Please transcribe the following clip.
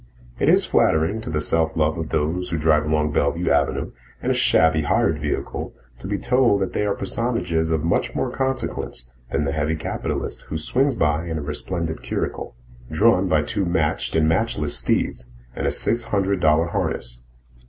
It is flattering to the self love of those who drive along Bellevue Avenue in a shabby hired vehicle to be told that they are personages of much more consequence than the heavy capitalist who swings by in a resplendent curricle, drawn by two matched and matchless steeds, in a six hundred dollar harness.